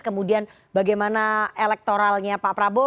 kemudian bagaimana elektoralnya pak prabowo